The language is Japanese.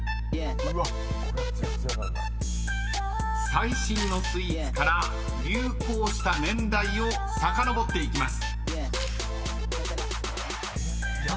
［最新のスイーツから流行した年代をさかのぼっていきます］